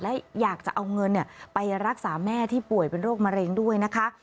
และอยากจะเอาเงินไปรักษาแม่ที่ป่วยเป็นโรคมะเร็งด้วยนะคะ